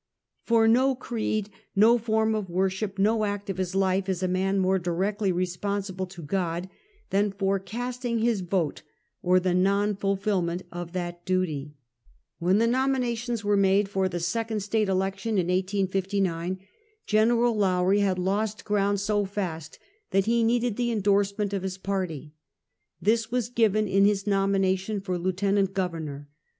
For no creed, no form of worship, no act of his life, is a man more directly responsible to God, than for casting his vote or the non fulfillment of that duty. State and National Politics. 197 "When tlie nominations were made for tlie second State election in 1859, Gen. Lowrie had lost ground so fast that he needed the indorsement of his party. This was given in his nomination for Lieut. Governor.